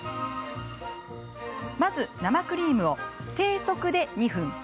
まず、生クリームを低速で２分。